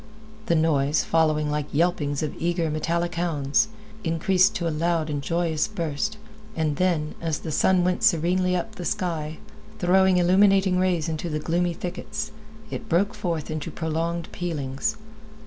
This noise, following like the yelpings of eager, metallic hounds, increased to a loud and joyous burst, and then, as the sun went serenely up the sky, throwing illuminating rays into the gloomy thickets, it broke forth into prolonged pealings.